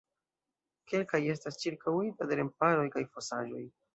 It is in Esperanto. Kelkaj estas ĉirkaŭitaj de remparoj kaj fosaĵoj.